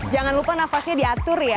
jangan lupa nafasnya diatur ya